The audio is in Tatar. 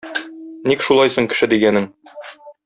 Ник шулай соң кеше дигәнең?!